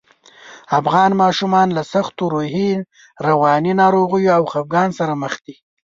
افغان ماشومان له سختو روحي، رواني ناروغیو او خپګان سره مخ دي